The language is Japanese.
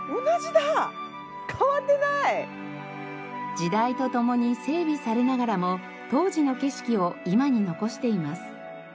時代とともに整備されながらも当時の景色を今に残しています。